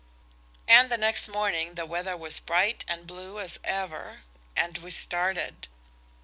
And next morning the weather was bright and blue as ever, and we started.